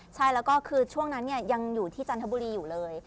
ใช่แล้วก็คือช่วงนั้นยังอยู่ที่จันทบุรีอยู่เลย